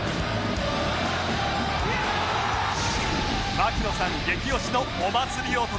槙野さん激推しのお祭り男